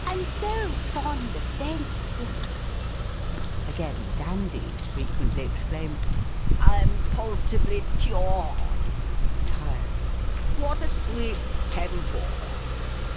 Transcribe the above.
I'm so fond of dayncing !" Again, dandies fi'equently exclaim, —" I'm postively tiawed (tired)." " What a sweet tempaw